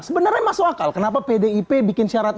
sebenarnya masuk akal kenapa pdip bikin syarat